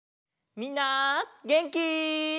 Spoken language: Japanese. みんなげんき？